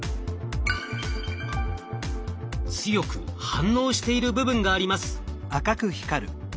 強く反応している部分があります。